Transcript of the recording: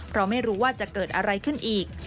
เพราะไม่รู้ว่าจะเกิดอะไรขึ้นอีก